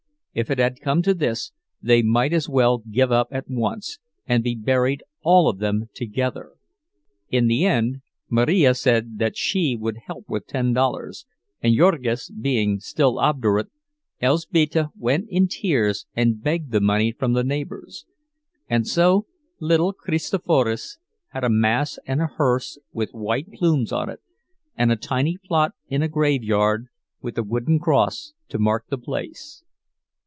If it had come to this, they might as well give up at once, and be buried all of them together! ... In the end Marija said that she would help with ten dollars; and Jurgis being still obdurate, Elzbieta went in tears and begged the money from the neighbors, and so little Kristoforas had a mass and a hearse with white plumes on it, and a tiny plot in a graveyard with a wooden cross to mark the place.